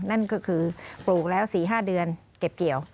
นั่นก็คือปลูกแล้ว๔๕เดือนเก็บเกี่ยว